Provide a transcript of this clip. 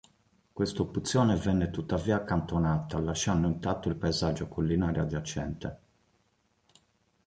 Quest'opzione venne tuttavia accantonata, lasciando intatto il paesaggio collinare adiacente.